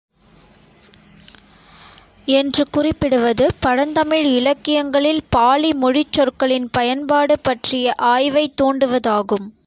என்று குறிப்பிடுவது பழந்தமிழ் இலக்கியங்களில் பாலி மொழிச் சொற்களின் பயன்பாடு பற்றிய ஆய்வைத் தூண்டுவதாகும்.